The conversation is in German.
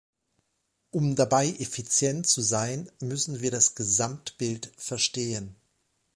Um dabei effizient zu sein, müssen wir das Gesamtbild verstehen.